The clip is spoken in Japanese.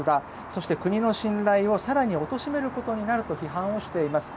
そして国の信頼を更に貶めることになると批判をしています。